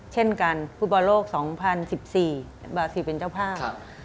เช่นกันฟุตบอลโลก๒๐๑๔บาซิลเป็นเจ้าภาพ